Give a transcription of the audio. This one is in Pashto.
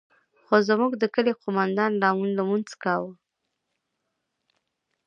خو زموږ د کلي قومندان لا لمونځ کاوه.